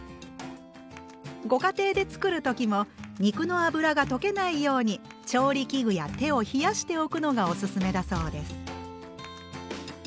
ご家庭で作る時も肉の脂が溶けないように調理器具や手を冷やしておくのがおすすめだそうです。